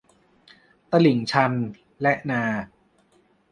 ตลิ่งชัน และนา